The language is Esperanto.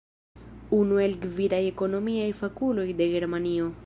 Unu el la gvidaj ekonomiaj fakuloj de Germanio.